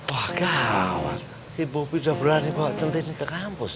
wah gawat si bobi udah berani bawa centini ke kampus